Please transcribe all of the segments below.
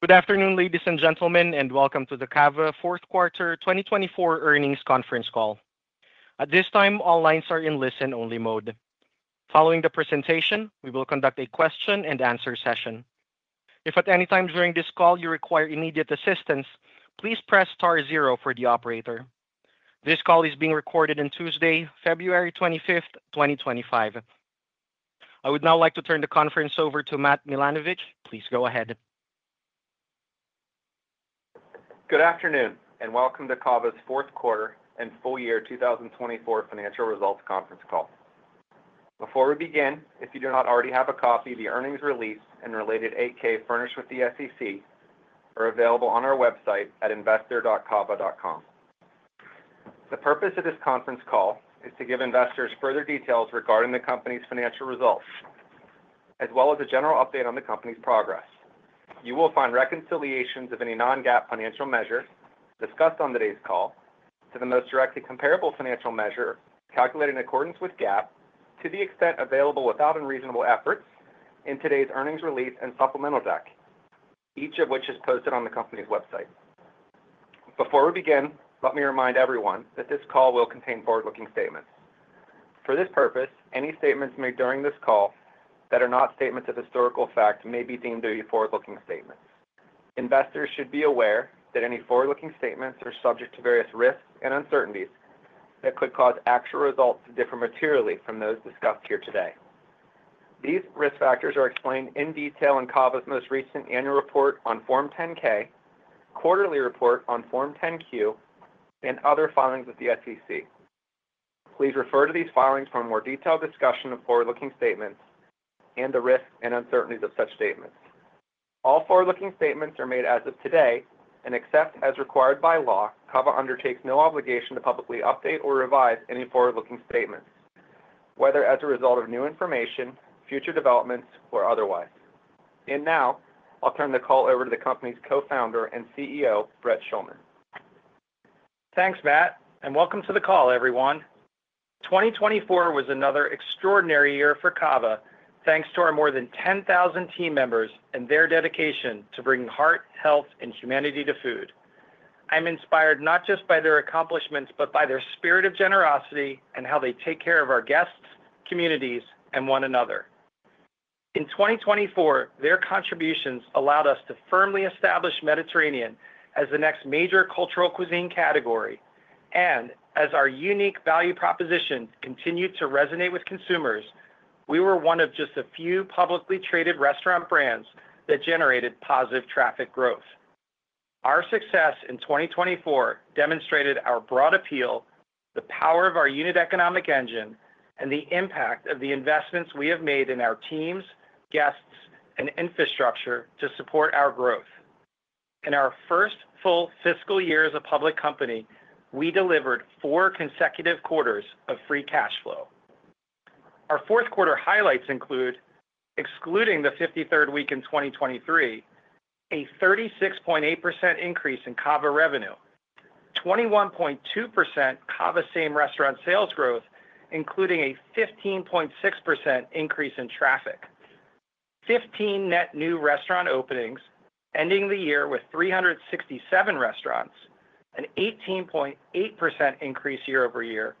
Good afternoon, ladies and gentlemen, and welcome to the CAVA Fourth Quarter 2024 Earnings Conference Call. At this time, all lines are in listen-only mode. Following the presentation, we will conduct a question-and-answer session. If at any time during this call you require immediate assistance, please press star zero for the operator. This call is being recorded on Tuesday, February 25th, 2025. I would now like to turn the conference over to Matt Milanovich. Please go ahead. Good afternoon, and welcome to CAVA's Fourth Quarter and Full Year 2024 Financial Results Conference Call. Before we begin, if you do not already have a copy, the earnings release and related 8-K furnished with the SEC are available on our website at investor.cava.com. The purpose of this conference call is to give investors further details regarding the company's financial results, as well as a general update on the company's progress. You will find reconciliations of any non-GAAP financial measures discussed on today's call to the most directly comparable financial measure calculated in accordance with GAAP, to the extent available without unreasonable efforts, in today's earnings release and supplemental deck, each of which is posted on the company's website. Before we begin, let me remind everyone that this call will contain forward-looking statements. For this purpose, any statements made during this call that are not statements of historical fact may be deemed to be forward-looking statements. Investors should be aware that any forward-looking statements are subject to various risks and uncertainties that could cause actual results to differ materially from those discussed here today. These risk factors are explained in detail in CAVA's most recent annual report on Form 10-K, quarterly report on Form 10-Q, and other filings with the SEC. Please refer to these filings for a more detailed discussion of forward-looking statements and the risks and uncertainties of such statements. All forward-looking statements are made as of today and, except as required by law, CAVA undertakes no obligation to publicly update or revise any forward-looking statements, whether as a result of new information, future developments, or otherwise. Now, I'll turn the call over to the company's Co-Founder and CEO, Brett Schulman. Thanks, Matt, and welcome to the call, everyone. 2024 was another extraordinary year for CAVA, thanks to our more than 10,000 team members and their dedication to bringing heart, health, and humanity to food. I'm inspired not just by their accomplishments but by their spirit of generosity and how they take care of our guests, communities, and one another. In 2024, their contributions allowed us to firmly establish Mediterranean as the next major cultural cuisine category, and as our unique value proposition continued to resonate with consumers, we were one of just a few publicly traded restaurant brands that generated positive traffic growth. Our success in 2024 demonstrated our broad appeal, the power of our unit economic engine, and the impact of the investments we have made in our teams, guests, and infrastructure to support our growth. In our first full fiscal year as a public company, we delivered four consecutive quarters of free cash flow. Our fourth quarter highlights include, excluding the 53rd week in 2023, a 36.8% increase in CAVA revenue, 21.2% CAVA same-restaurant sales growth, including a 15.6% increase in traffic, 15 net new restaurant openings, ending the year with 367 restaurants, an 18.8% increase year over year,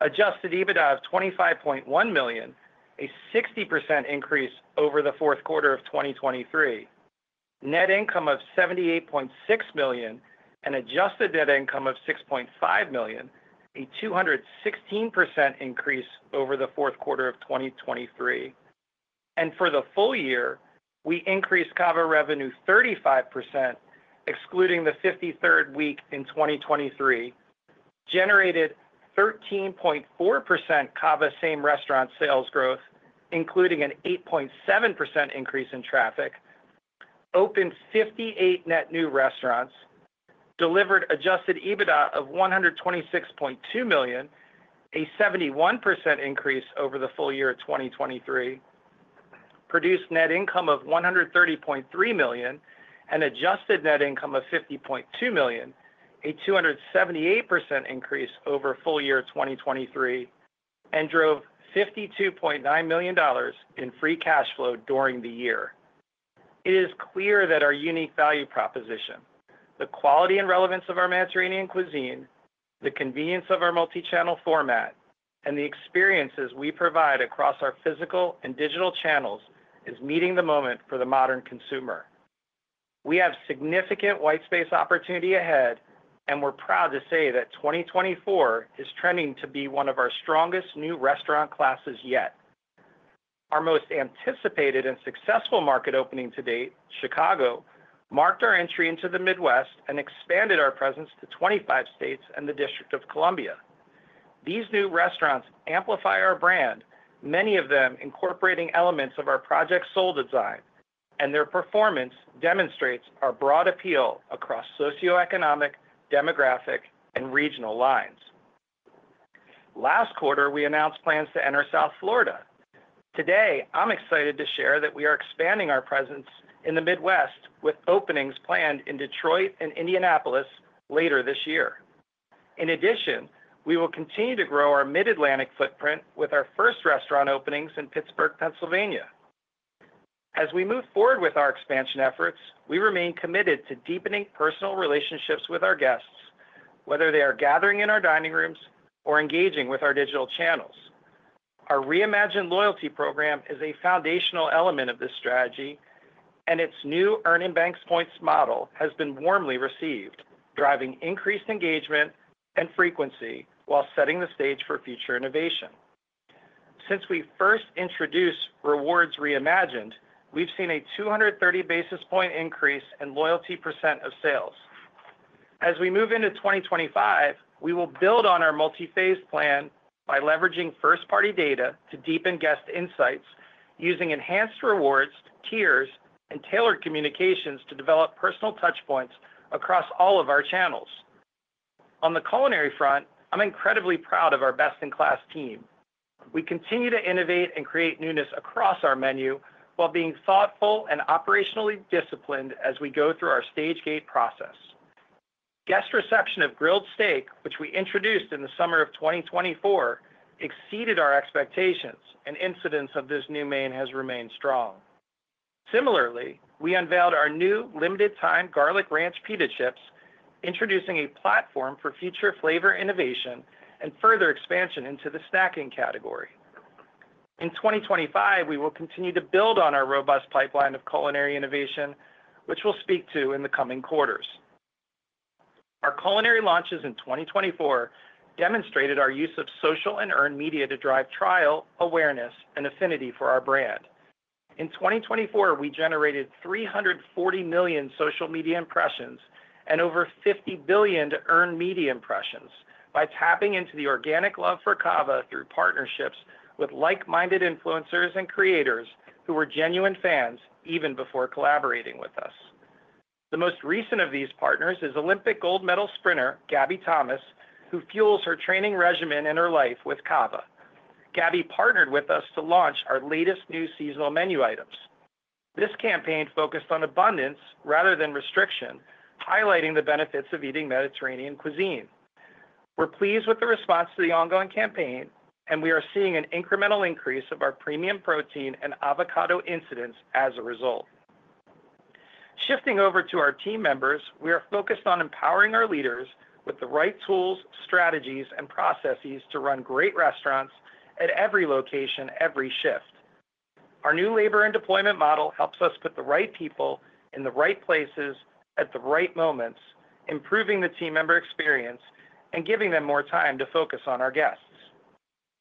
Adjusted EBITDA of $25.1 million, a 60% increase over the fourth quarter of 2023, net income of $78.6 million, and Adjusted Net Income of $6.5 million, a 216% increase over the fourth quarter of 2023. For the full year, we increased CAVA revenue 35%, excluding the 53rd week in same-restaurant sales growth, including an 8.7% increase in traffic, opened 58 net new restaurants, delivered adjusted EBITDA of $126.2 million, a 71% increase over the full year of 2023, produced net income of $130.3 million, and Adjusted Net Income of $50.2 million, a 278% increase over full year 2023, and drove $52.9 million in free cash flow during the year. It is clear that our unique value proposition, the quality and relevance of our Mediterranean cuisine, the convenience of our multichannel format, and the experiences we provide across our physical and digital channels is meeting the moment for the modern consumer. We have significant white space opportunity ahead, and we're proud to say that 2024 is trending to be one of our strongest new restaurant classes yet. Our most anticipated and successful market opening to date, Chicago, marked our entry into the Midwest and expanded our presence to 25 states and the District of Columbia. These new restaurants amplify our brand, many of them incorporating elements of our Project Soul design, and their performance demonstrates our broad appeal across socioeconomic, demographic, and regional lines. Last quarter, we announced plans to enter South Florida. Today, I'm excited to share that we are expanding our presence in the Midwest with openings planned in Detroit and Indianapolis later this year. In addition, we will continue to grow our Mid-Atlantic footprint with our first restaurant openings in Pittsburgh, Pennsylvania. As we move forward with our expansion efforts, we remain committed to deepening personal relationships with our guests, whether they are gathering in our dining rooms or engaging with our digital channels. Our reimagined loyalty program is a foundational element of this strategy, and its new Earn and Bank points model has been warmly received, driving increased engagement and frequency while setting the stage for future innovation. Since we first introduced Rewards Reimagined, we've seen a 230 basis points increase in loyalty percent of sales. As we move into 2025, we will build on our multiphase plan by leveraging first-party data to deepen guest insights, using enhanced rewards, tiers, and tailored communications to develop personal touchpoints across all of our channels. On the culinary front, I'm incredibly proud of our best-in-class team. We continue to innovate and create newness across our menu while being thoughtful and operationally disciplined as we go through our Stage-Gate process. Guest reception of Grilled Steak, which we introduced in the summer of 2024, exceeded our expectations, and incidence of this new main has remained strong. Similarly, we unveiled our new limited-time Garlic Ranch Pita Chips, introducing a platform for future flavor innovation and further expansion into the snacking category. In 2025, we will continue to build on our robust pipeline of culinary innovation, which we'll speak to in the coming quarters. Our culinary launches in 2024 demonstrated our use of social and earned media to drive trial, awareness, and affinity for our brand. In 2024, we generated 340 million social media impressions and over 50 billion earned media impressions by tapping into the organic love for CAVA through partnerships with like-minded influencers and creators who were genuine fans even before collaborating with us. The most recent of these partners is Olympic gold medal sprinter Gabby Thomas, who fuels her training regimen and her life with CAVA. Gabby partnered with us to launch our latest new seasonal menu items. This campaign focused on abundance rather than restriction, highlighting the benefits of eating Mediterranean cuisine. We're pleased with the response to the ongoing campaign, and we are seeing an incremental increase of our premium protein and avocado incidence as a result. Shifting over to our team members, we are focused on empowering our leaders with the right tools, strategies, and processes to run great restaurants at every location, every shift. Our new labor and deployment model helps us put the right people in the right places at the right moments, improving the team member experience and giving them more time to focus on our guests.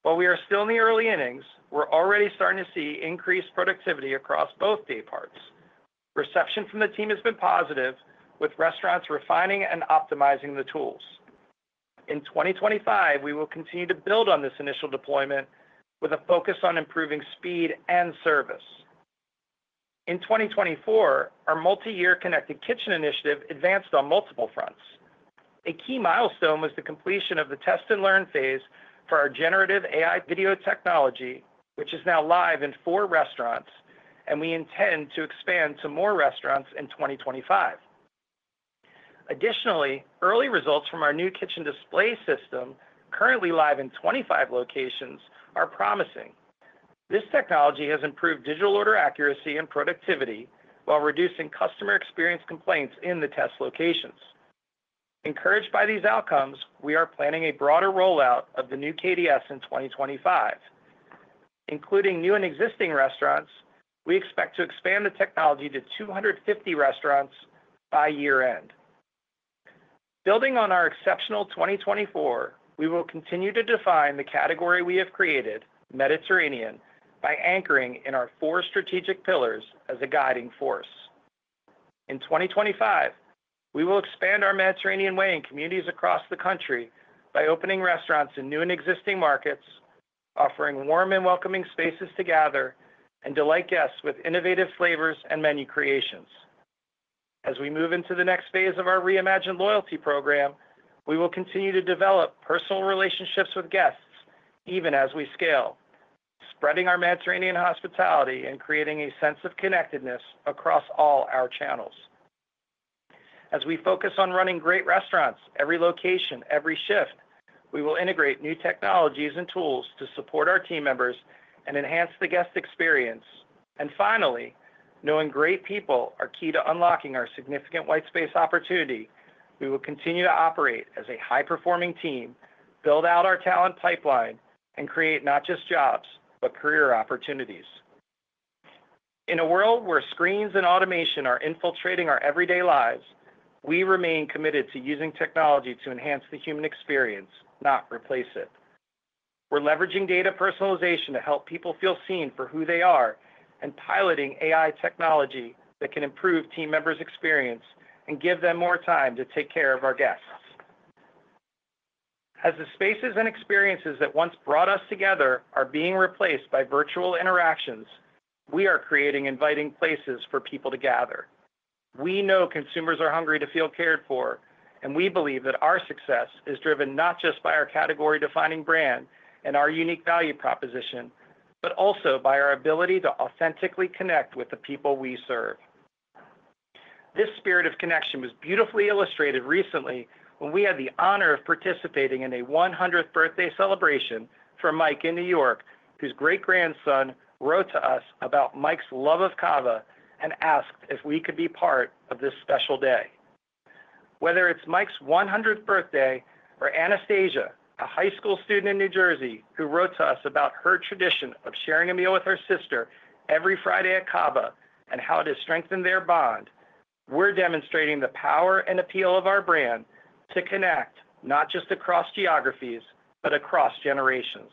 While we are still in the early innings, we're already starting to see increased productivity across both day parts. Reception from the team has been positive, with restaurants refining and optimizing the tools. In 2025, we will continue to build on this initial deployment with a focus on improving speed and service. In 2024, our multi-year Connected Kitchen initiative advanced on multiple fronts. A key milestone was the completion of the test and learn phase for our generative AI video technology, which is now live in four restaurants, and we intend to expand to more restaurants in 2025. Additionally, early results from our new kitchen display system, currently live in 25 locations, are promising. This technology has improved digital order accuracy and productivity while reducing customer experience complaints in the test locations. Encouraged by these outcomes, we are planning a broader rollout of the new KDS in 2025. Including new and existing restaurants, we expect to expand the technology to 250 restaurants by year-end. Building on our exceptional 2024, we will continue to define the category we have created, Mediterranean, by anchoring in our four strategic pillars as a guiding force. In 2025, we will expand our Mediterranean way in communities across the country by opening restaurants in new and existing markets, offering warm and welcoming spaces to gather and delight guests with innovative flavors and menu creations. As we move into the next phase of our reimagined loyalty program, we will continue to develop personal relationships with guests even as we scale, spreading our Mediterranean hospitality and creating a sense of connectedness across all our channels. As we focus on running great restaurants every location, every shift, we will integrate new technologies and tools to support our team members and enhance the guest experience. Finally, knowing great people are key to unlocking our significant white space opportunity, we will continue to operate as a high-performing team, build out our talent pipeline, and create not just jobs but career opportunities. In a world where screens and automation are infiltrating our everyday lives, we remain committed to using technology to enhance the human experience, not replace it. We're leveraging data personalization to help people feel seen for who they are and piloting AI technology that can improve team members' experience and give them more time to take care of our guests. As the spaces and experiences that once brought us together are being replaced by virtual interactions, we are creating inviting places for people to gather. We know consumers are hungry to feel cared for, and we believe that our success is driven not just by our category-defining brand and our unique value proposition, but also by our ability to authentically connect with the people we serve. This spirit of connection was beautifully illustrated recently when we had the honor of participating in a 100th birthday celebration for Mike in New York, whose great-grandson wrote to us about Mike's love of CAVA and asked if we could be part of this special day. Whether it's Mike's 100th birthday or Anastasia, a high school student in New Jersey who wrote to us about her tradition of sharing a meal with her sister every Friday at CAVA and how it has strengthened their bond, we're demonstrating the power and appeal of our brand to connect not just across geographies but across generations.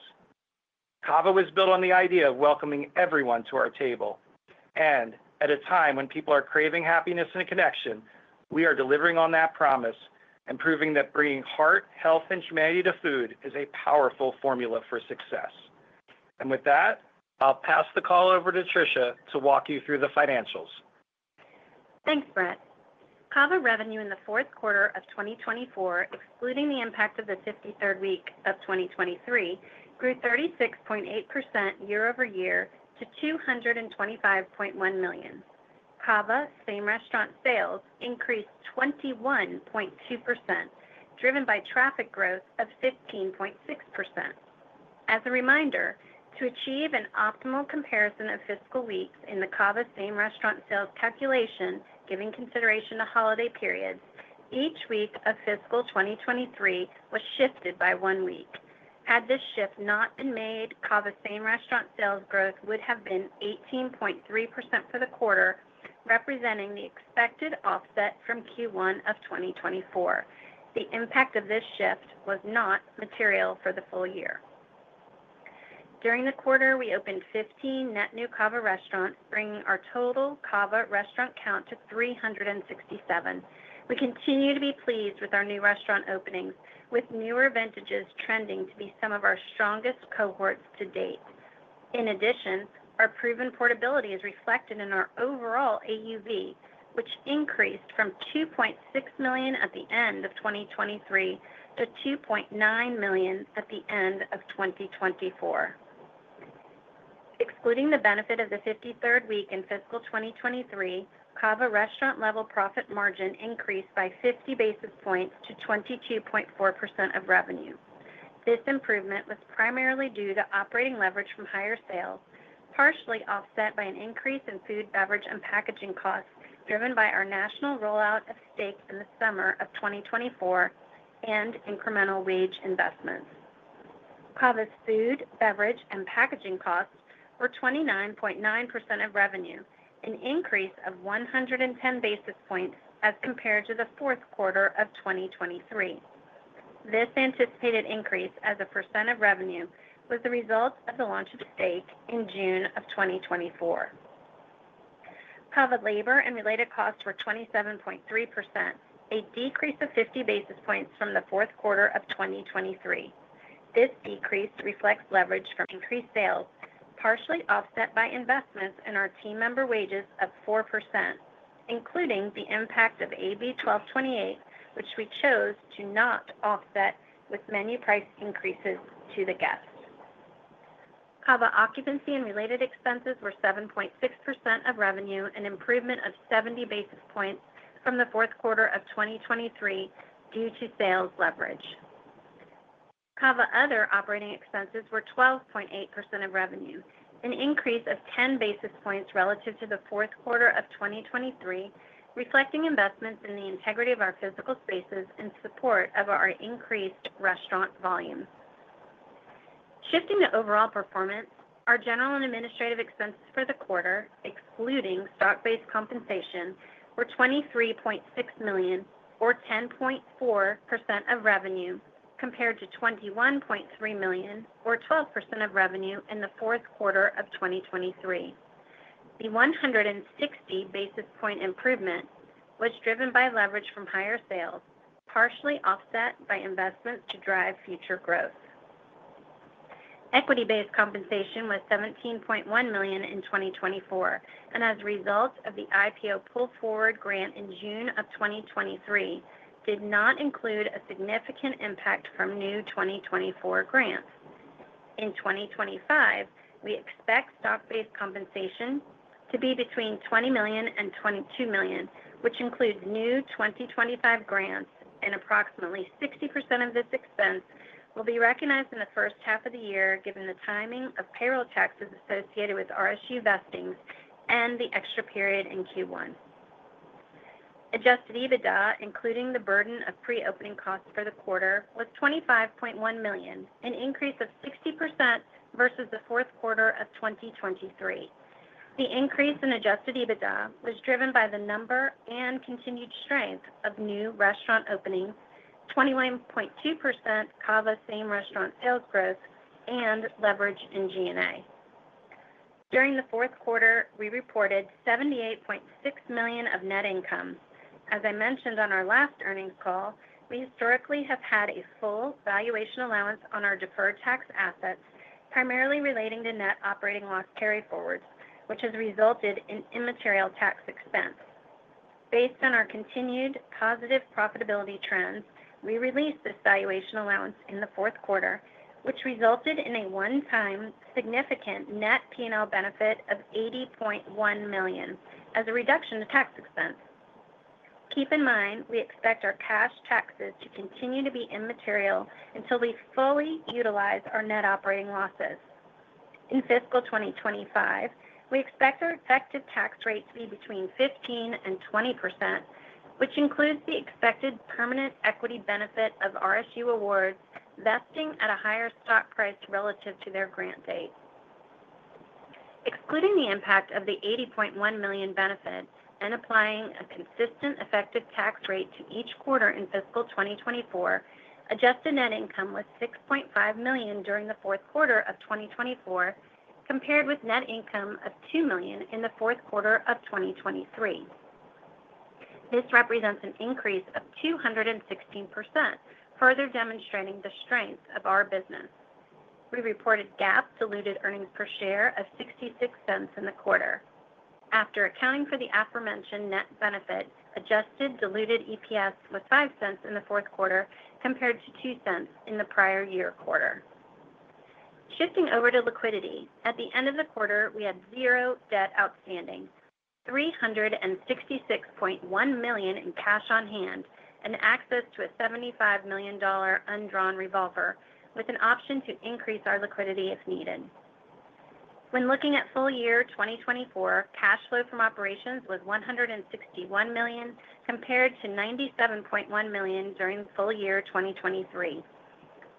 CAVA was built on the idea of welcoming everyone to our table, and at a time when people are craving happiness and connection, we are delivering on that promise and proving that bringing heart, health, and humanity to food is a powerful formula for success. And with that, I'll pass the call over to Tricia to walk you through the financials. Thanks, Brett. CAVA revenue in the fourth quarter of 2024, excluding the impact of the 53rd week of 2023, grew 36.8% year over year to $225.1 same-restaurant sales increased 21.2%, driven by traffic growth of 15.6%. As a reminder, to achieve an optimal comparison of fiscal weeks in same-restaurant sales calculation, giving consideration to holiday periods, each week of fiscal 2023 was shifted by one week. Had this shift not been made, CAVA same-restaurant sales growth would have been 18.3% for the quarter, representing the expected offset from Q1 of 2024. The impact of this shift was not material for the full year. During the quarter, we opened 15 net new CAVA restaurants, bringing our total CAVA restaurant count to 367. We continue to be pleased with our new restaurant openings, with newer vintages trending to be some of our strongest cohorts to date. In addition, our proven portability is reflected in our overall AUV, which increased from $2.6 million at the end of 2023 to $2.9 million at the end of 2024. Excluding the benefit of the 53rd week in fiscal 2023, CAVA restaurant-level profit margin increased by 50 basis points to 22.4% of revenue. This improvement was primarily due to operating leverage from higher sales, partially offset by an increase in food, beverage, and packaging costs driven by our national rollout of steak in the summer of 2024 and incremental wage investments. CAVA's food, beverage, and packaging costs were 29.9% of revenue, an increase of 110 basis points as compared to the fourth quarter of 2023. This anticipated increase as a percent of revenue was the result of the launch of steak in June of 2024. CAVA labor and related costs were 27.3%, a decrease of 50 basis points from the fourth quarter of 2023. This decrease reflects leverage from increased sales, partially offset by investments in our team member wages of 4%, including the impact of AB 1228, which we chose to not offset with menu price increases to the guests. CAVA occupancy and related expenses were 7.6% of revenue, an improvement of 70 basis points from the fourth quarter of 2023 due to sales leverage. CAVA other operating expenses were 12.8% of revenue, an increase of 10 basis points relative to the fourth quarter of 2023, reflecting investments in the integrity of our physical spaces in support of our increased restaurant volume. Shifting to overall performance, our general and administrative expenses for the quarter, excluding stock-based compensation, were $23.6 million, or 10.4% of revenue, compared to $21.3 million, or 12% of revenue in the fourth quarter of 2023. The 160 basis point improvement was driven by leverage from higher sales, partially offset by investments to drive future growth. Equity-based compensation was $17.1 million in 2024, and as a result of the IPO pull forward grant in June of 2023, did not include a significant impact from new 2024 grants. In 2025, we expect stock-based compensation to be between $20 million and $22 million, which includes new 2025 grants, and approximately 60% of this expense will be recognized in the first half of the year, given the timing of payroll taxes associated with RSU vestings and the extra period in Q1. Adjusted EBITDA, including the burden of pre-opening costs for the quarter, was $25.1 million, an increase of 60% versus the fourth quarter of 2023. The increase in Adjusted EBITDA was driven by the number and continued strength of new restaurant openings, same-restaurant sales growth, and leverage in G&A. During the fourth quarter, we reported $78.6 million of net income. As I mentioned on our last earnings call, we historically have had a full valuation allowance on our deferred tax assets, primarily relating to net operating loss carryforwards, which has resulted in immaterial tax expense. Based on our continued positive profitability trends, we released this valuation allowance in the fourth quarter, which resulted in a one-time significant net P&L benefit of $80.1 million as a reduction in tax expense. Keep in mind, we expect our cash taxes to continue to be immaterial until we fully utilize our net operating losses. In fiscal 2025, we expect our effective tax rate to be between 15%-20%, which includes the expected permanent equity benefit of RSU awards vesting at a higher stock price relative to their grant date. Excluding the impact of the $80.1 million benefit and applying a consistent effective tax rate to each quarter in fiscal 2024, Adjusted Net Income was $6.5 million during the fourth quarter of 2024, compared with net income of $2 million in the fourth quarter of 2023. This represents an increase of 216%, further demonstrating the strength of our business. We reported GAAP diluted earnings per share of $0.66 in the quarter. After accounting for the aforementioned net benefit, Adjusted Diluted EPS was $0.05 in the fourth quarter compared to $0.02 in the prior year quarter. Shifting over to liquidity, at the end of the quarter, we had zero debt outstanding, $366.1 million in cash on hand, and access to a $75 million undrawn revolver with an option to increase our liquidity if needed. When looking at full year 2024, cash flow from operations was $161 million compared to $97.1 million during full year 2023.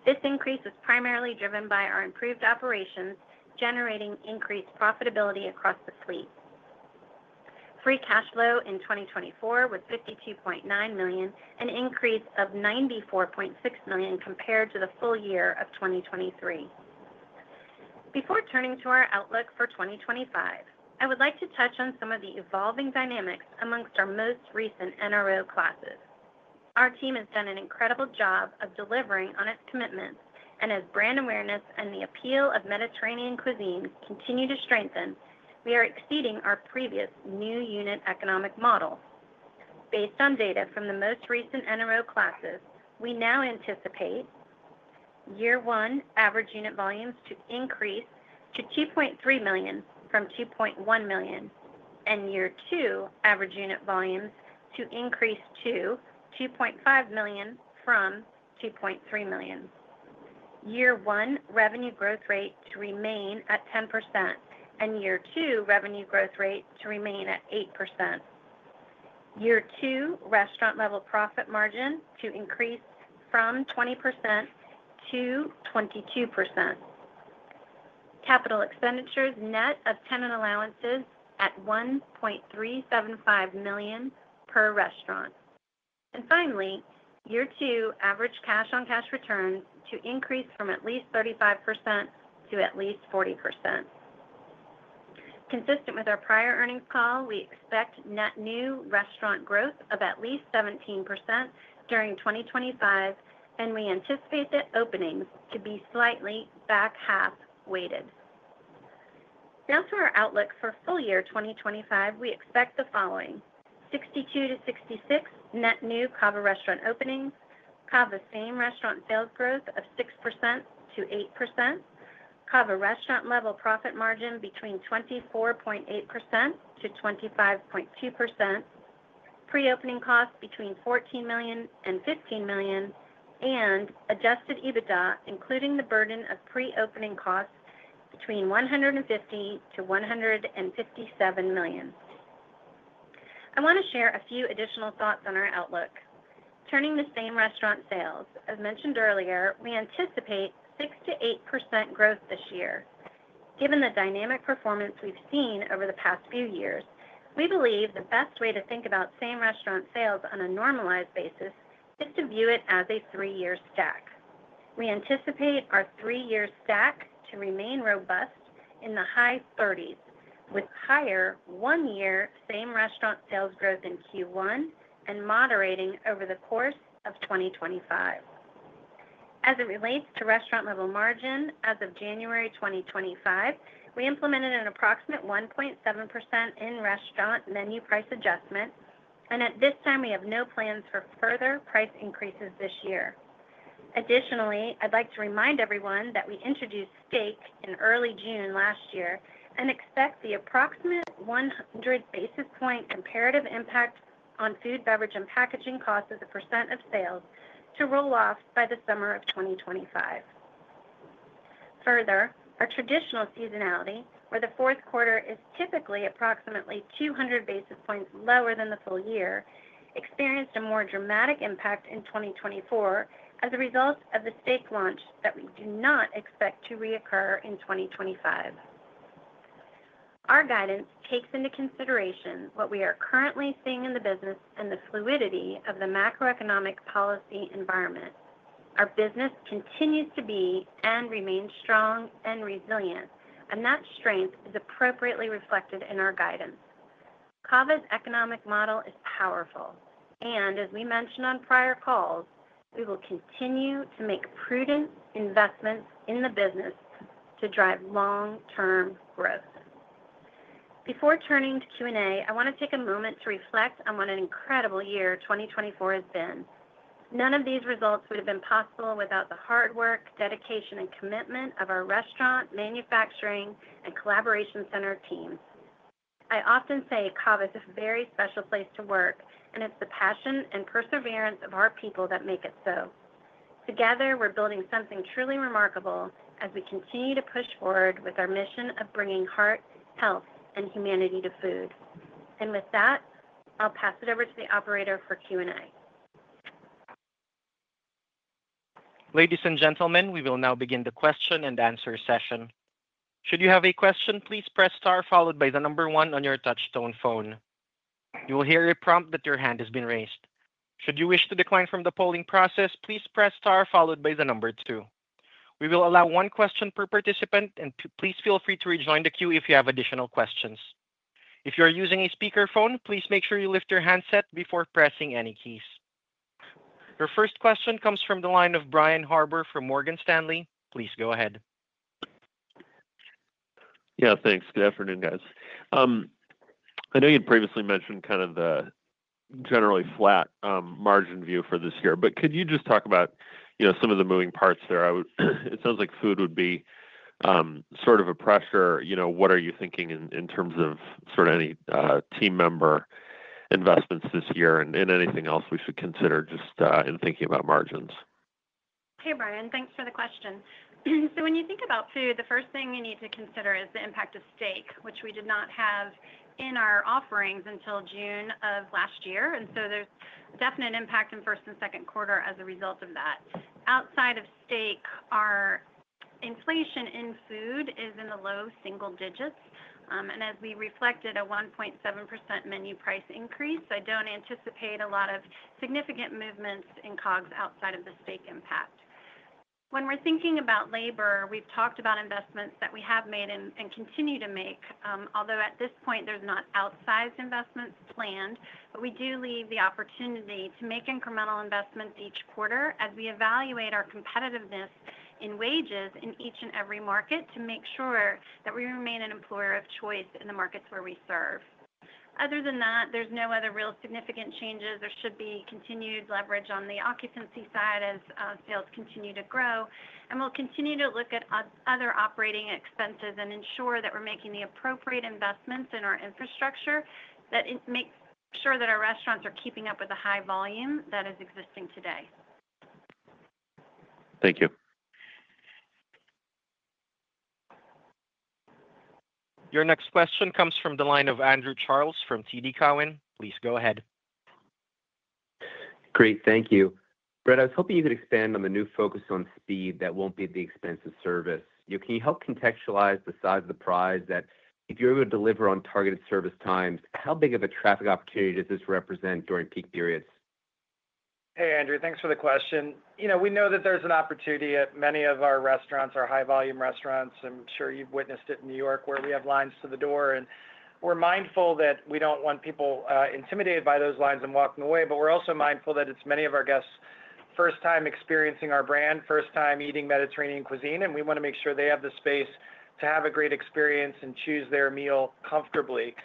This increase was primarily driven by our improved operations generating increased profitability across the fleet. Free cash flow in 2024 was $52.9 million, an increase of $94.6 million compared to the full year of 2023. Before turning to our outlook for 2025, I would like to touch on some of the evolving dynamics amongst our most recent NRO classes. Our team has done an incredible job of delivering on its commitments, and as brand awareness and the appeal of Mediterranean cuisine continue to strengthen, we are exceeding our previous new unit economic model. Based on data from the most recent NRO classes, we now anticipate year one average unit volumes to increase to 2.3 million from 2.1 million, and year two average unit volumes to increase to 2.5 million from 2.3 million. Year one revenue growth rate to remain at 10%, and year two revenue growth rate to remain at 8%. Year two restaurant-level profit margin to increase from 20% to 22%. Capital expenditures net of tenant allowances at $1.375 million per restaurant. Finally, year two average cash-on-cash returns to increase from at least 35% to at least 40%. Consistent with our prior earnings call, we expect net new restaurant growth of at least 17% during 2025, and we anticipate that openings to be slightly back-half weighted. Now to our outlook for full year 2025, we expect the following: 62-66 net new CAVA restaurant same-restaurant sales growth of 6%-8%, CAVA restaurant-level profit margin between 24.8% and 25.2%, pre-opening costs between $14 million and $15 million, and Adjusted EBITDA, including the burden of pre-opening costs between $150 million-$157 million. I want to share a few additional thoughts on our outlook. same restaurant sales, as mentioned earlier, we anticipate 6%-8% growth this year. Given the dynamic performance we've seen over the past few years, we believe the best way to think about same-restaurant sales on a normalized basis is to view it as a three-year stack. We anticipate our three-year stack to remain robust in the high 30s, with higher one-year same-restaurant sales growth in Q1 and moderating over the course of 2025. As it relates to restaurant-level margin, as of January 2025, we implemented an approximate 1.7% in-restaurant menu price adjustment, and at this time, we have no plans for further price increases this year. Additionally, I'd like to remind everyone that we introduced steak in early June last year and expect the approximate 100 basis point comparative impact on food, beverage, and packaging costs as a percent of sales to roll off by the summer of 2025. Further, our traditional seasonality, where the fourth quarter is typically approximately 200 basis points lower than the full year, experienced a more dramatic impact in 2024 as a result of the steak launch that we do not expect to reoccur in 2025. Our guidance takes into consideration what we are currently seeing in the business and the fluidity of the macroeconomic policy environment. Our business continues to be and remain strong and resilient, and that strength is appropriately reflected in our guidance. CAVA's economic model is powerful, and as we mentioned on prior calls, we will continue to make prudent investments in the business to drive long-term growth. Before turning to Q&A, I want to take a moment to reflect on what an incredible year 2024 has been. None of these results would have been possible without the hard work, dedication, and commitment of our restaurant, manufacturing, and collaboration center teams. I often say CAVA is a very special place to work, and it's the passion and perseverance of our people that make it so. Together, we're building something truly remarkable as we continue to push forward with our mission of bringing heart, health, and humanity to food. And with that, I'll pass it over to the operator for Q&A. Ladies and gentlemen, we will now begin the question and answer session. Should you have a question, please press star followed by the number one on your touch-tone phone. You will hear a prompt that your hand has been raised. Should you wish to decline from the polling process, please press star followed by the number two. We will allow one question per participant, and please feel free to rejoin the queue if you have additional questions. If you are using a speakerphone, please make sure you lift your handset before pressing any keys. Your first question comes from the line of Brian Harbour from Morgan Stanley. Please go ahead. Yeah, thanks. Good afternoon, guys. I know you'd previously mentioned kind of the generally flat margin view for this year, but could you just talk about, you know, some of the moving parts there? It sounds like food would be sort of a pressure. You know, what are you thinking in terms of sort of any team member investments this year and anything else we should consider just in thinking about margins? Hey, Brian, thanks for the question. So when you think about food, the first thing you need to consider is the impact of steak, which we did not have in our offerings until June of last year. And so there's definite impact in first and second quarter as a result of that. Outside of steak, our inflation in food is in the low single digits, and as we reflected a 1.7% menu price increase, I don't anticipate a lot of significant movements in COGS outside of the steak impact. When we're thinking about labor, we've talked about investments that we have made and continue to make, although at this point, there's not outsized investments planned, but we do leave the opportunity to make incremental investments each quarter as we evaluate our competitiveness in wages in each and every market to make sure that we remain an employer of choice in the markets where we serve. Other than that, there's no other real significant changes. There should be continued leverage on the occupancy side as sales continue to grow, and we'll continue to look at other operating expenses and ensure that we're making the appropriate investments in our infrastructure that makes sure that our restaurants are keeping up with the high volume that is existing today. Thank you. Your next question comes from the line of Andrew Charles from TD Cowen. Please go ahead. Great, thank you. Brett, I was hoping you could expand on the new focus on speed that won't be at the expense of service. Can you help contextualize the size of the prize that if you're able to deliver on targeted service times, how big of a traffic opportunity does this represent during peak periods? Hey, Andrew, thanks for the question. You know, we know that there's an opportunity at many of our restaurants, our high-volume restaurants. I'm sure you've witnessed it in New York where we have lines to the door, and we're mindful that we don't want people intimidated by those lines and walking away, but we're also mindful that it's many of our guests' first time experiencing our brand, first time eating Mediterranean cuisine, and we want to make sure they have the space to have a great experience and choose their meal comfortably.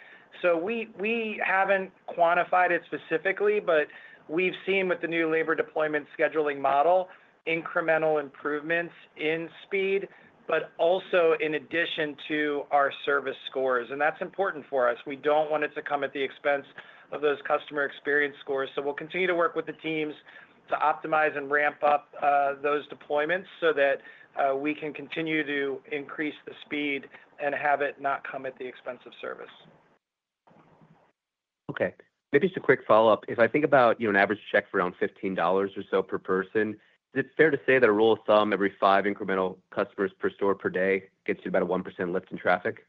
So we haven't quantified it specifically, but we've seen with the new labor deployment scheduling model incremental improvements in speed, but also in addition to our service scores, and that's important for us. We don't want it to come at the expense of those customer experience scores, so we'll continue to work with the teams to optimize and ramp up those deployments so that we can continue to increase the speed and have it not come at the expense of service. Okay, maybe just a quick follow-up. If I think about, you know, an average check for around $15 or so per person, is it fair to say that a rule of thumb every five incremental customers per store per day gets you about a 1% lift in traffic?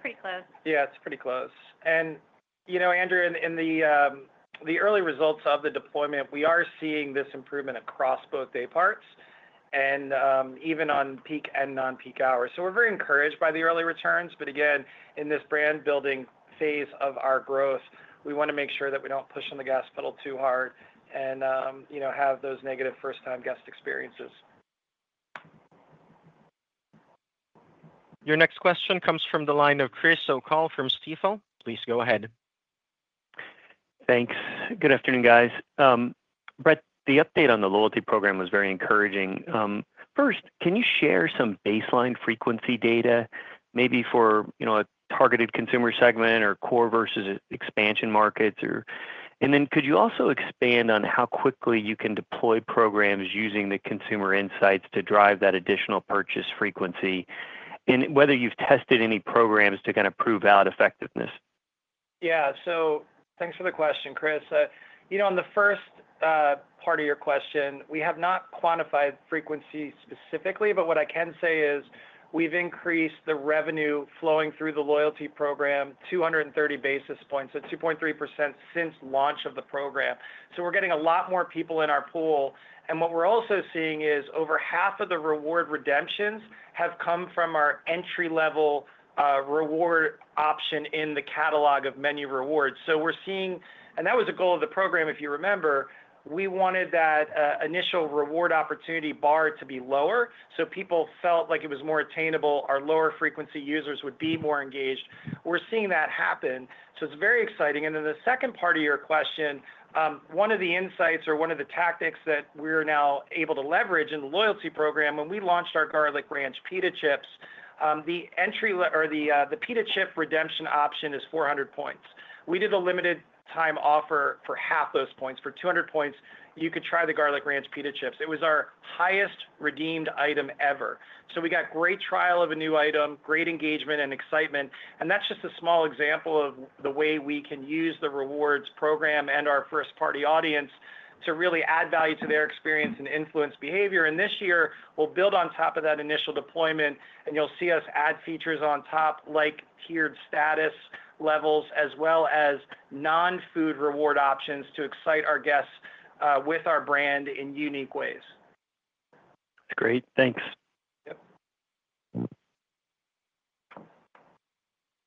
Pretty close. Yeah, it's pretty close. And, you know, Andrew, in the early results of the deployment, we are seeing this improvement across both day parts and even on peak and non-peak hours. We're very encouraged by the early returns, but again, in this brand-building phase of our growth, we want to make sure that we don't push on the gas pedal too hard and, you know, have those negative first-time guest experiences. Your next question comes from the line of Chris O'Cull from Stifel. Please go ahead. Thanks. Good afternoon, guys. Brett, the update on the loyalty program was very encouraging. First, can you share some baseline frequency data, maybe for, you know, a targeted consumer segment or core versus expansion markets? And then could you also expand on how quickly you can deploy programs using the consumer insights to drive that additional purchase frequency and whether you've tested any programs to kind of prove out effectiveness? Yeah, so thanks for the question, Chris. You know, on the first part of your question, we have not quantified frequency specifically, but what I can say is we've increased the revenue flowing through the loyalty program 230 basis points, so 2.3% since launch of the program. So we're getting a lot more people in our pool, and what we're also seeing is over half of the reward redemptions have come from our entry-level reward option in the catalog of menu rewards. So we're seeing, and that was a goal of the program, if you remember, we wanted that initial reward opportunity bar to be lower so people felt like it was more attainable. Our lower-frequency users would be more engaged. We're seeing that happen, so it's very exciting. And then the second part of your question, one of the insights or one of the tactics that we're now able to leverage in the loyalty program, when we launched our Garlic Ranch Pita Chips, the entry or the pita chip redemption option is 400 points. We did a limited-time offer for half those points. For 200 points, you could try the Garlic Ranch Pita Chips. It was our highest redeemed item ever. So we got great trial of a new item, great engagement, and excitement, and that's just a small example of the way we can use the rewards program and our first-party audience to really add value to their experience and influence behavior. And this year, we'll build on top of that initial deployment, and you'll see us add features on top like tiered status levels as well as non-food reward options to excite our guests with our brand in unique ways. Great, thanks.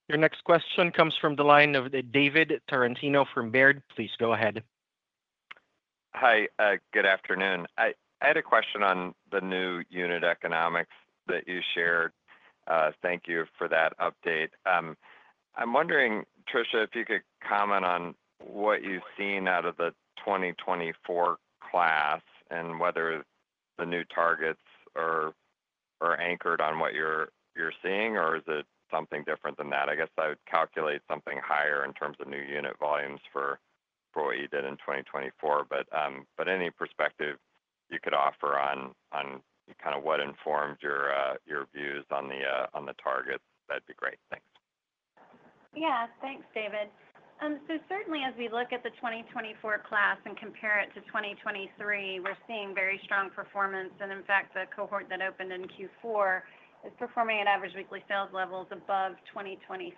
Your next question comes from the line of David Tarantino from Baird. Please go ahead. Hi, good afternoon. I had a question on the new unit economics that you shared. Thank you for that update. I'm wondering, Tricia, if you could comment on what you've seen out of the 2024 class and whether the new targets are anchored on what you're seeing, or is it something different than that? I guess I would calculate something higher in terms of new unit volumes for what you did in 2024, but any perspective you could offer on kind of what informed your views on the targets, that'd be great. Thanks. Yeah, thanks, David. So certainly, as we look at the 2024 class and compare it to 2023, we're seeing very strong performance, and in fact, the cohort that opened in Q4 is performing at average weekly sales levels above 2023.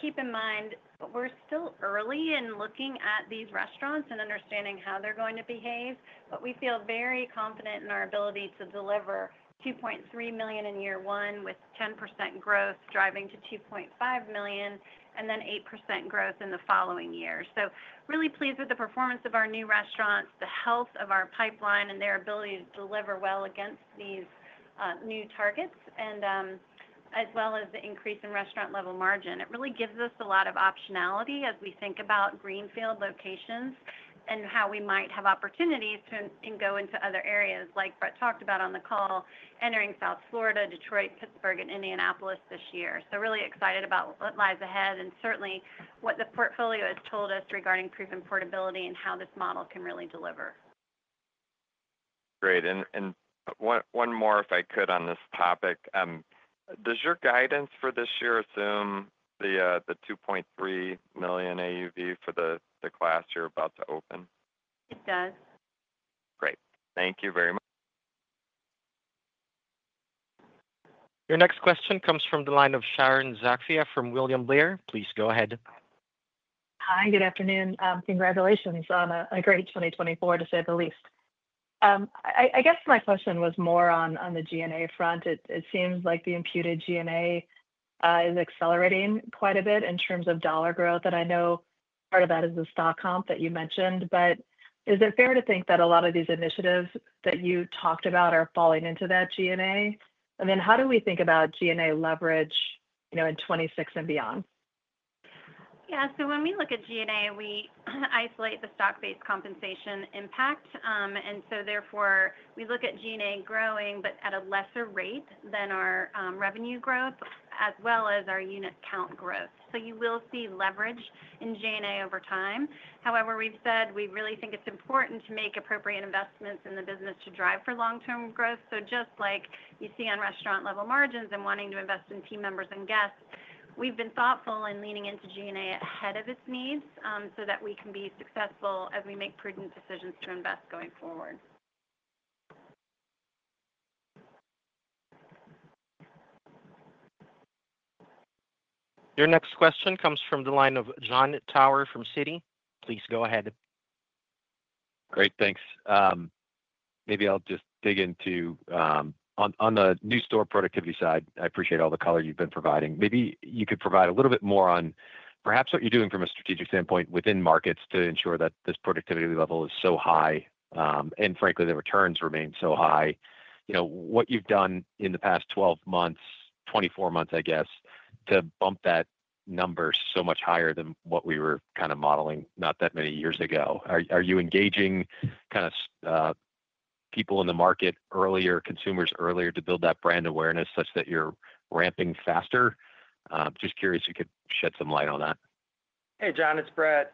Keep in mind, we're still early in looking at these restaurants and understanding how they're going to behave, but we feel very confident in our ability to deliver $2.3 million in year one with 10% growth driving to $2.5 million and then 8% growth in the following year. So really pleased with the performance of our new restaurants, the health of our pipeline, and their ability to deliver well against these new targets, as well as the increase in restaurant-level margin. It really gives us a lot of optionality as we think about greenfield locations and how we might have opportunities to go into other areas, like Brett talked about on the call, entering South Florida, Detroit, Pittsburgh, and Indianapolis this year. So really excited about what lies ahead and certainly what the portfolio has told us regarding proven portability and how this model can really deliver. Great, and one more if I could on this topic. Does your guidance for this year assume the $2.3 million AUV for the class you're about to open? It does. Great, thank you very much. Your next question comes from the line of Sharon Zackfia from William Blair. Please go ahead. Hi, good afternoon. Congratulations on a great 2024, to say the least. I guess my question was more on the G&A front. It seems like the imputed G&A is accelerating quite a bit in terms of dollar growth, and I know part of that is the stock comp that you mentioned, but is it fair to think that a lot of these initiatives that you talked about are falling into that G&A? And then how do we think about G&A leverage, you know, in 2026 and beyond? Yeah, so when we look at G&A, we isolate the stock-based compensation impact, and so therefore we look at G&A growing, but at a lesser rate than our revenue growth, as well as our unit count growth. So you will see leverage in G&A over time. However, we've said we really think it's important to make appropriate investments in the business to drive for long-term growth. So just like you see on restaurant-level margins and wanting to invest in team members and guests, we've been thoughtful in leaning into G&A ahead of its needs so that we can be successful as we make prudent decisions to invest going forward. Your next question comes from the line of Jon Tower from Citi. Please go ahead. Great, thanks. Maybe I'll just dig into on the new store productivity side, I appreciate all the color you've been providing. Maybe you could provide a little bit more on perhaps what you're doing from a strategic standpoint within markets to ensure that this productivity level is so high and frankly, the returns remain so high. You know, what you've done in the past 12 months, 24 months, I guess, to bump that number so much higher than what we were kind of modeling not that many years ago. Are you engaging kind of people in the market earlier, consumers earlier, to build that brand awareness such that you're ramping faster? Just curious if you could shed some light on that. Hey, John, it's Brett.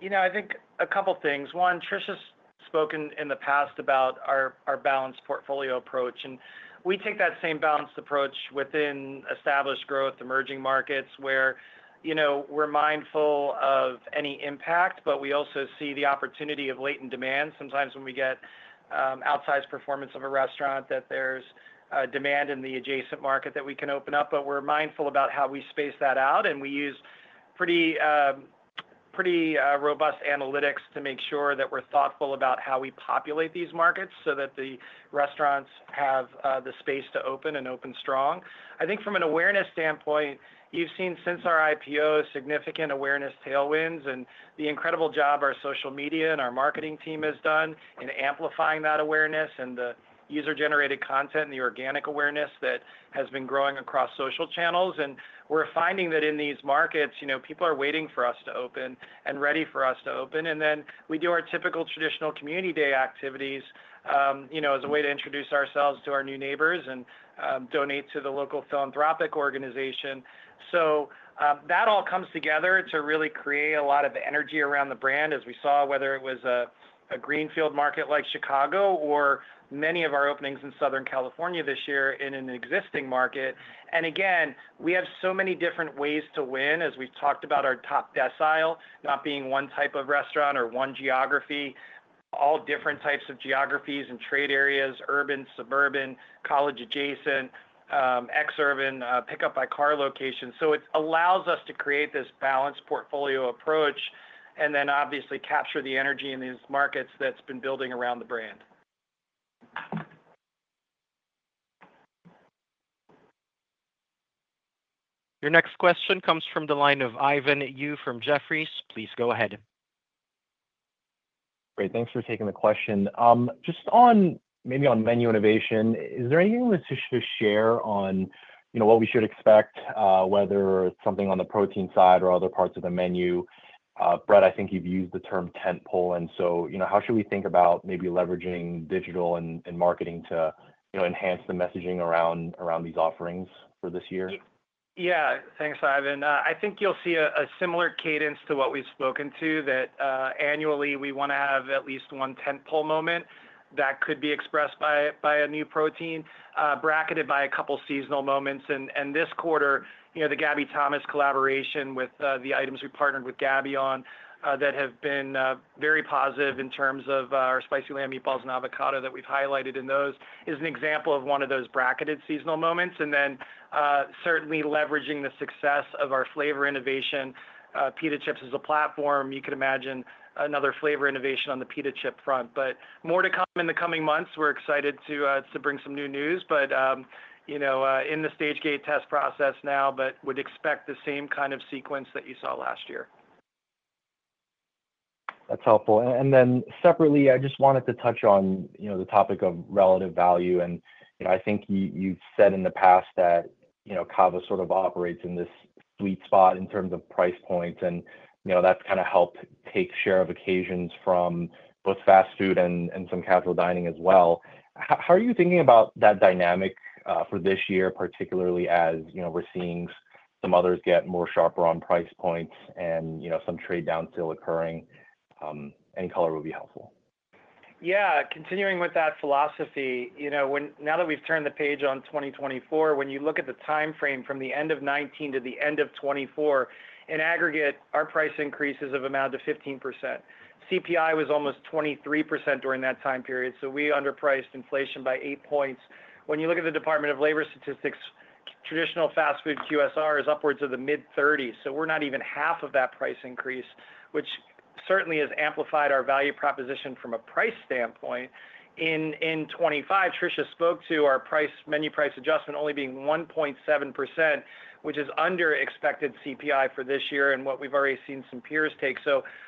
You know, I think a couple of things. One, Tricia's spoken in the past about our balanced portfolio approach, and we take that same balanced approach within established growth, emerging markets, where, you know, we're mindful of any impact, but we also see the opportunity of latent demand. Sometimes when we get outsized performance of a restaurant, that there's demand in the adjacent market that we can open up, but we're mindful about how we space that out, and we use pretty robust analytics to make sure that we're thoughtful about how we populate these markets so that the restaurants have the space to open and open strong. I think from an awareness standpoint, you've seen since our IPO significant awareness tailwinds and the incredible job our social media and our marketing team has done in amplifying that awareness and the user-generated content and the organic awareness that has been growing across social channels. And we're finding that in these markets, you know, people are waiting for us to open and ready for us to open, and then we do our typical traditional community day activities, you know, as a way to introduce ourselves to our new neighbors and donate to the local philanthropic organization. So that all comes together to really create a lot of energy around the brand, as we saw, whether it was a greenfield market like Chicago or many of our openings in Southern California this year in an existing market. And again, we have so many different ways to win, as we've talked about our top decile, not being one type of restaurant or one geography, all different types of geographies and trade areas, urban, suburban, college-adjacent, ex-urban, pickup-by-car location. So it allows us to create this balanced portfolio approach and then obviously capture the energy in these markets that's been building around the brand. Your next question comes from the line of Ivan Yu from Jefferies. Please go ahead. Great, thanks for taking the question. Just on maybe on menu innovation, is there anything that Tricia should share on, you know, what we should expect, whether it's something on the protein side or other parts of the menu? Brett, I think you've used the term tentpole, and so, you know, how should we think about maybe leveraging digital and marketing to, you know, enhance the messaging around these offerings for this year? Yeah, thanks, Ivan. I think you'll see a similar cadence to what we've spoken to, that annually we want to have at least one tentpole moment that could be expressed by a new protein, bracketed by a couple of seasonal moments. And this quarter, you know, the Gabby Thomas collaboration with the items we partnered with Gabby on that have been very positive in terms of our Spicy Lamb Meatballs and avocado that we've highlighted in those is an example of one of those bracketed seasonal moments. And then certainly leveraging the success of our flavor innovation, pita chips as a platform, you could imagine another flavor innovation on the pita chip front. But more to come in the coming months. We're excited to bring some new news, but, you know, in the Stage-Gate process now, but would expect the same kind of sequence that you saw last year. That's helpful. And then separately, I just wanted to touch on, you know, the topic of relative value. And, you know, I think you've said in the past that, you know, CAVA sort of operates in this sweet spot in terms of price points, and, you know, that's kind of helped take share of occasions from both fast food and some casual dining as well. How are you thinking about that dynamic for this year, particularly as, you know, we're seeing some others get more sharper on price points and, you know, some trade down still occurring? Any color would be helpful. Yeah, continuing with that philosophy, you know, now that we've turned the page on 2024, when you look at the timeframe from the end of 2019 to the end of 2024, in aggregate, our price increases have amounted to 15%. CPI was almost 23% during that time period, so we underpriced inflation by eight points. When you look at the U.S. Department of Labor statistics, traditional fast food QSR is upwards of the mid-30s, so we're not even half of that price increase, which certainly has amplified our value proposition from a price standpoint. In 2025, Tricia spoke to our price menu price adjustment only being 1.7%, which is under expected CPI for this year and what we've already seen some peers take.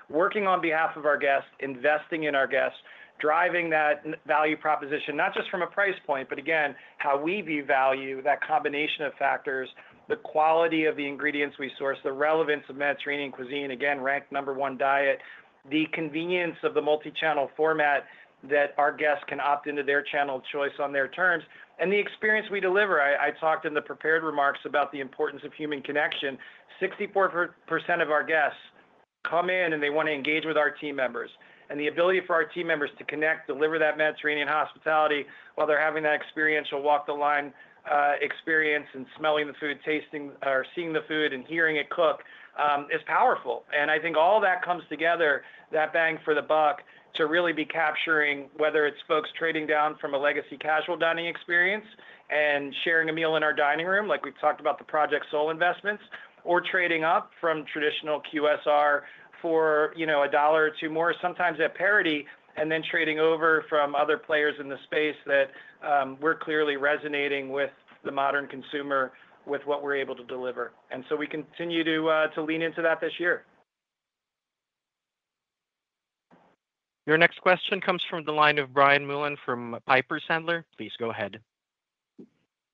Working on behalf of our guests, investing in our guests, driving that value proposition, not just from a price point, but again, how we view value, that combination of factors, the quality of the ingredients we source, the relevance of Mediterranean cuisine, again, ranked number one diet, the convenience of the multi-channel format that our guests can opt into their channel of choice on their terms, and the experience we deliver. I talked in the prepared remarks about the importance of human connection. 64% of our guests come in and they want to engage with our team members, and the ability for our team members to connect, deliver that Mediterranean hospitality while they're having that experiential walk-the-line experience and smelling the food, tasting or seeing the food and hearing it cook is powerful. I think all that comes together, that bang for the buck, to really be capturing whether it's folks trading down from a legacy casual dining experience and sharing a meal in our dining room, like we've talked about the Project Soul investments, or trading up from traditional QSR for, you know, a dollar or two more, sometimes at parity, and then trading over from other players in the space that we're clearly resonating with the modern consumer with what we're able to deliver. So we continue to lean into that this year. Your next question comes from the line of Brian Mullan from Piper Sandler. Please go ahead.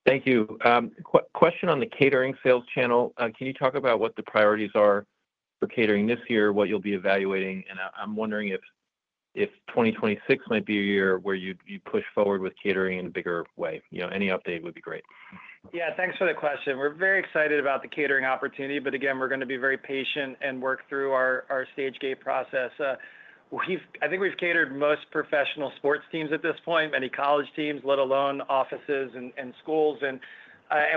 Thank you. Question on the catering sales channel. Can you talk about what the priorities are for catering this year, what you'll be evaluating, and I'm wondering if 2026 might be a year where you push forward with catering in a bigger way? You know, any update would be great. Yeah, thanks for the question. We're very excited about the catering opportunity, but again, we're going to be very patient and work through our Stage-Gate process. I think we've catered most professional sports teams at this point, many college teams, let alone offices and schools. And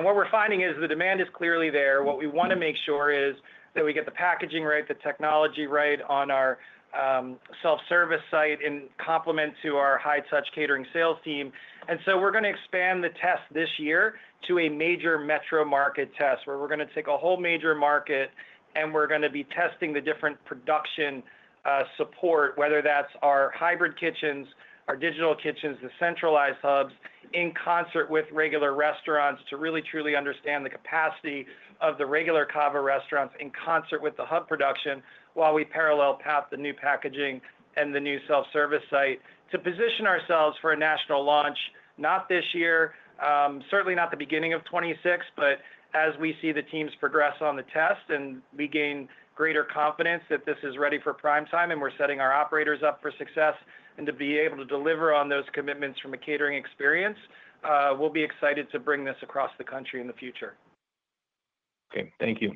what we're finding is the demand is clearly there. What we want to make sure is that we get the packaging right, the technology right on our self-service site in complement to our high-touch catering sales team. And so we're going to expand the test this year to a major metro market test where we're going to take a whole major market and we're going to be testing the different production support, whether that's our hybrid kitchens, our digital kitchens, the centralized hubs in concert with regular restaurants to really, truly understand the capacity of the regular CAVA restaurants in concert with the hub production while we parallel path the new packaging and the new self-service site to position ourselves for a national launch, not this year, certainly not the beginning of 2026, but as we see the teams progress on the test and we gain greater confidence that this is ready for prime time and we're setting our operators up for success and to be able to deliver on those commitments from a catering experience, we'll be excited to bring this across the country in the future. Okay, thank you.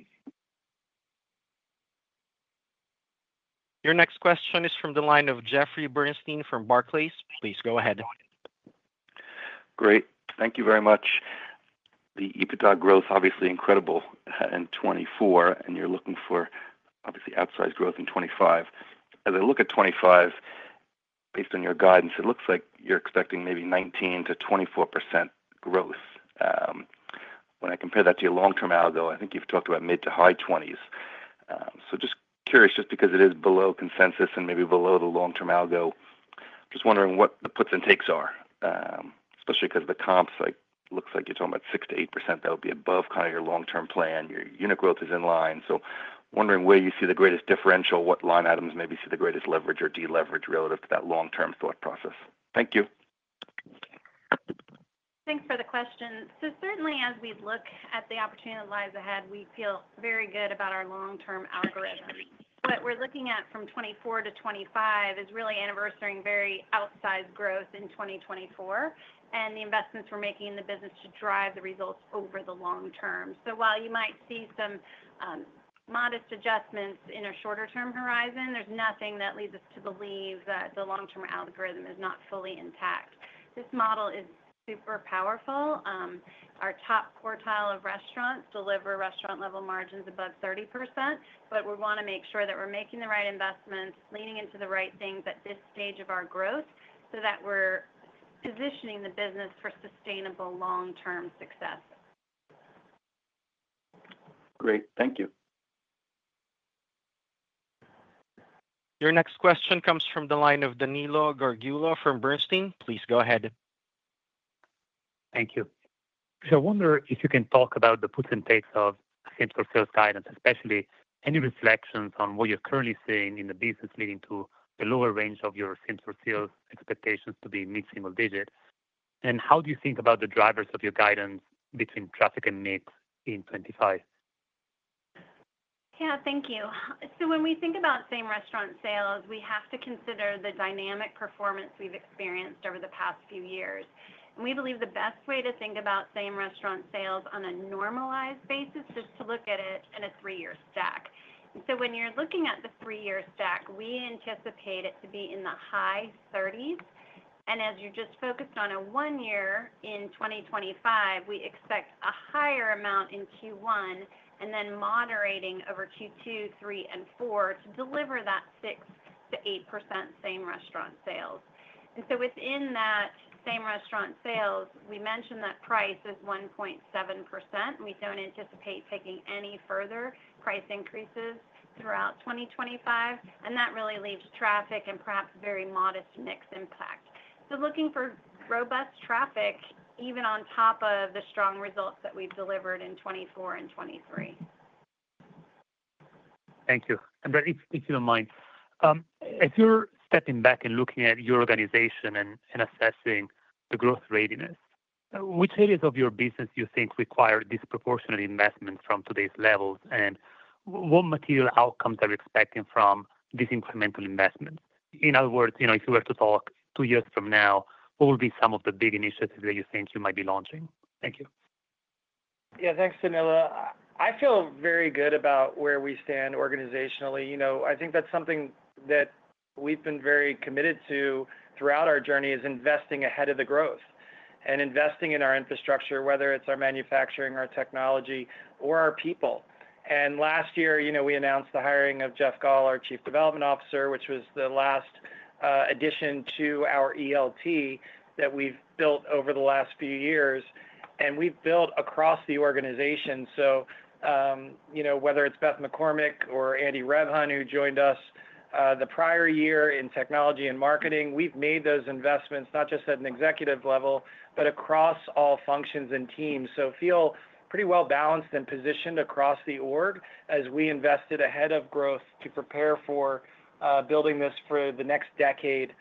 Your next question is from the line of Jeffrey Bernstein from Barclays. Please go ahead. Great, thank you very much. The EBITDA growth, obviously incredible in 2024, and you're looking for obviously outsized growth in 2025. As I look at 2025, based on your guidance, it looks like you're expecting maybe 19%-24% growth. When I compare that to your long-term algo, I think you've talked about mid to high 20s. So just curious, just because it is below consensus and maybe below the long-term algo, just wondering what the puts and takes are, especially because the comps look like you're talking about 6%-8% that would be above kind of your long-term plan. Your unit growth is in line, so wondering where you see the greatest differential, what line items maybe see the greatest leverage or deleverage relative to that long-term thought process. Thank you. Thanks for the question. So certainly, as we look at the opportunity that lies ahead, we feel very good about our long-term algorithm. What we're looking at from 2024 to 2025 is really anniversarying and very outsized growth in 2024, and the investments we're making in the business to drive the results over the long term. So while you might see some modest adjustments in a shorter-term horizon, there's nothing that leads us to believe that the long-term algorithm is not fully intact. This model is super powerful. Our top quartile of restaurants deliver restaurant-level margins above 30%, but we want to make sure that we're making the right investments, leaning into the right things at this stage of our growth so that we're positioning the business for sustainable long-term success. Great, thank you. Your next question comes from the line of Danilo Gargiulo from Bernstein. Please go ahead. Thank you. So I wonder if you can talk about the puts and takes of same-store sales guidance, especially any reflections on what you're currently seeing in the business leading to the lower range of your same-store sales expectations to be mid-single digits. And how do you think about the drivers of your guidance between traffic and mix in 2025? Yeah, thank you. So when we same-restaurant sales, we have to consider the dynamic performance we've experienced over the past few years. And we believe the best way to same-restaurant sales on a normalized basis is to look at it in a three-year stack. So when you're looking at the three-year stack, we anticipate it to be in the high 30s. As you just focused on our outlook in 2025, we expect a higher amount in Q1 and then moderating over Q2, Q3, and Q4 to same-restaurant sales, we mentioned that price is 1.7%. We don't anticipate taking any further price increases throughout 2025, and that really leaves traffic and perhaps very modest mix impact. Looking for robust traffic, even on top of the strong results that we've delivered in 2024 and 2023. Thank you. Brett, if you don't mind, if you're stepping back and looking at your organization and assessing the growth readiness, which areas of your business do you think require disproportionate investment from today's levels? What material outcomes are we expecting from these incremental investments? In other words, you know, if you were to talk two years from now, what would be some of the big initiatives that you think you might be launching? Thank you. Yeah, thanks, Danilo. I feel very good about where we stand organizationally. You know, I think that's something that we've been very committed to throughout our journey is investing ahead of the growth and investing in our infrastructure, whether it's our manufacturing, our technology, or our people, and last year, you know, we announced the hiring of Jeff Gaul, our Chief Development Officer, which was the last addition to our ELT that we've built over the last few years, and we've built across the organization. So, you know, whether it's Beth McCormick or Andy Rebhun, who joined us the prior year in technology and marketing, we've made those investments not just at an executive level, but across all functions and teams. So feel pretty well balanced and positioned across the org as we invested ahead of growth to prepare for building this for the next decade,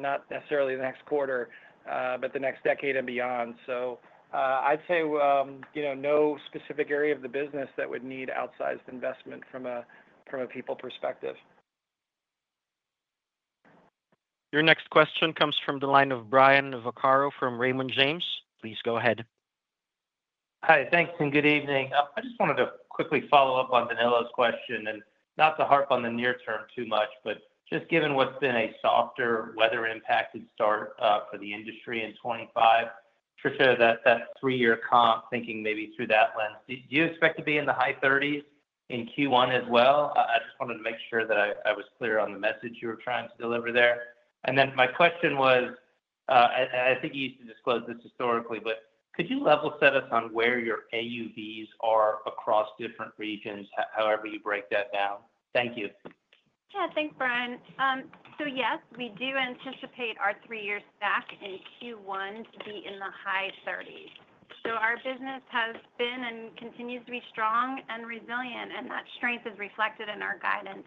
not necessarily the next quarter, but the next decade and beyond. So I'd say, you know, no specific area of the business that would need outsized investment from a people perspective. Your next question comes from the line of Brian Vaccaro from Raymond James. Please go ahead. Hi, thanks, and good evening. I just wanted to quickly follow up on Danilo's question and not to harp on the near term too much, but just given what's been a softer, weather-impacted start for the industry in 2025, Tricia, that three-year comp, thinking maybe through that lens, do you expect to be in the high 30s in Q1 as well? I just wanted to make sure that I was clear on the message you were trying to deliver there, and then my question was, I think you used to disclose this historically, but could you level set us on where your AUVs are across different regions, however you break that down? Thank you. Yeah, thanks, Brian, so yes, we do anticipate our three-year stack in Q1 to be in the high 30s. So our business has been and continues to be strong and resilient, and that strength is reflected in our guidance.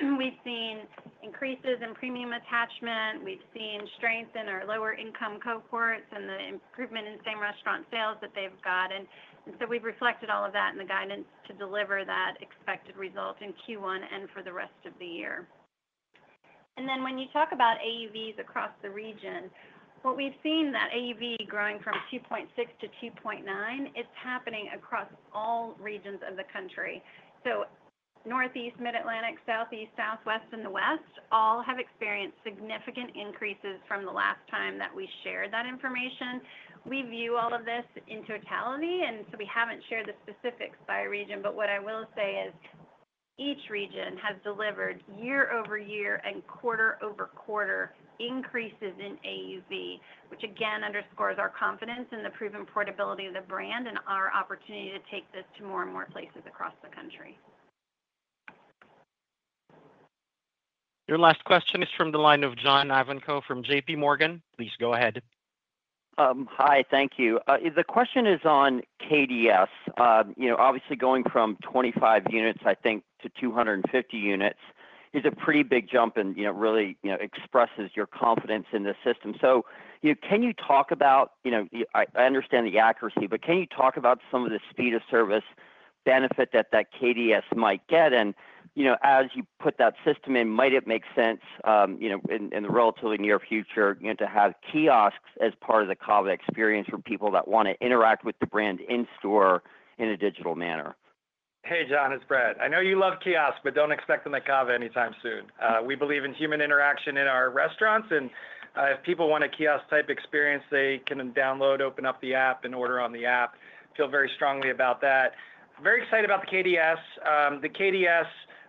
We've seen increases in premium attachment. We've seen strength in our lower-income cohorts and the same-restaurant sales that they've got. And so we've reflected all of that in the guidance to deliver that expected result in Q1 and for the rest of the year. And then when you talk about AUVs across the region, what we've seen that AUV growing from 2.6 to 2.9, it's happening across all regions of the country. So Northeast, Mid-Atlantic, Southeast, Southwest, and the West all have experienced significant increases from the last time that we shared that information. We view all of this in totality, and so we haven't shared the specifics by region, but what I will say is each region has delivered year over year and quarter over quarter increases in AUV, which again underscores our confidence in the proven portability of the brand and our opportunity to take this to more and more places across the country. Your last question is from the line of John Ivankoe from JPMorgan. Please go ahead. Hi, thank you. The question is on KDS. You know, obviously going from 25 units, I think, to 250 units is a pretty big jump and, you know, really, you know, expresses your confidence in the system. So, you know, can you talk about, you know, I understand the accuracy, but can you talk about some of the speed of service benefit that that KDS might get? And, you know, as you put that system in, might it make sense, you know, in the relatively near future, you know, to have kiosks as part of the CAVA experience for people that want to interact with the brand in store in a digital manner? Hey, John, it's Brett. I know you love kiosks, but don't expect them at CAVA anytime soon. We believe in human interaction in our restaurants, and if people want a kiosk-type experience, they can download, open up the app, and order on the app. Feel very strongly about that. Very excited about the KDS. The KDS,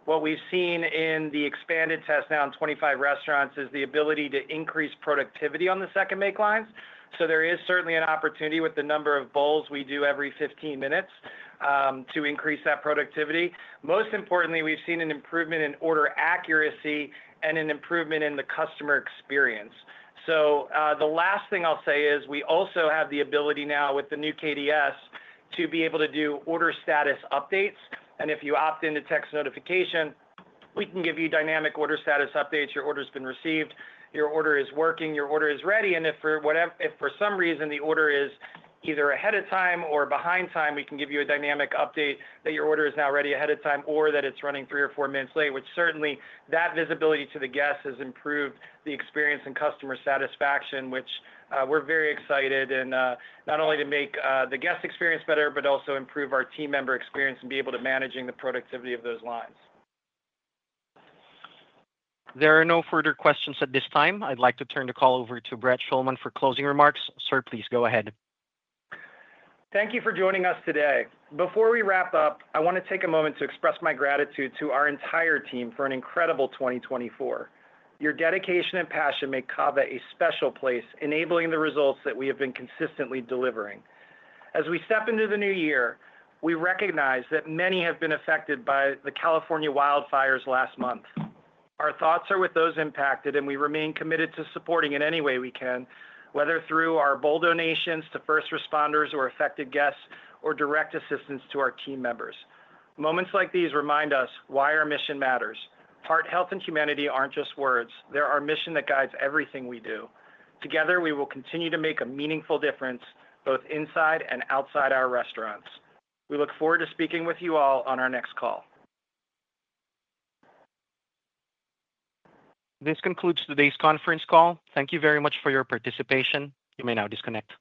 what we've seen in the expanded test now in 25 restaurants, is the ability to increase productivity on the second make lines. So there is certainly an opportunity with the number of bowls we do every 15 minutes to increase that productivity. Most importantly, we've seen an improvement in order accuracy and an improvement in the customer experience. So the last thing I'll say is we also have the ability now with the new KDS to be able to do order status updates. And if you opt into text notification, we can give you dynamic order status updates. Your order's been received, your order is working, your order is ready. If for some reason the order is either ahead of time or behind time, we can give you a dynamic update that your order is now ready ahead of time or that it's running three or four minutes late, which certainly that visibility to the guests has improved the experience and customer satisfaction, which we're very excited and not only to make the guest experience better, but also improve our team member experience and be able to manage the productivity of those lines. There are no further questions at this time. I'd like to turn the call over to Brett Schulman for closing remarks. Sir, please go ahead. Thank you for joining us today. Before we wrap up, I want to take a moment to express my gratitude to our entire team for an incredible 2024. Your dedication and passion make CAVA a special place, enabling the results that we have been consistently delivering. As we step into the new year, we recognize that many have been affected by the California wildfires last month. Our thoughts are with those impacted, and we remain committed to supporting in any way we can, whether through our bowl donations to first responders or affected guests or direct assistance to our team members. Moments like these remind us why our mission matters. Heart health and humanity aren't just words. They're our mission that guides everything we do. Together, we will continue to make a meaningful difference both inside and outside our restaurants. We look forward to speaking with you all on our next call. This concludes today's conference call. Thank you very much for your participation. You may now disconnect.